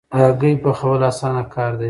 هګۍ پخول اسانه کار دی